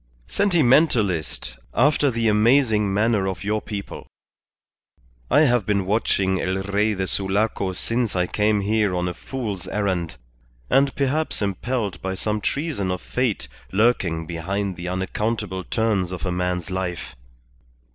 "Sentimentalist, after the amazing manner of your people. I have been watching El Rey de Sulaco since I came here on a fool's errand, and perhaps impelled by some treason of fate lurking behind the unaccountable turns of a man's life.